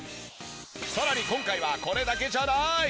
さらに今回はこれだけじゃない！